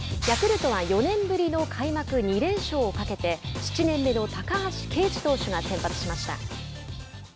ヤクルトは４年ぶりの開幕２連勝をかけて７年目の高橋奎二投手が先発しました。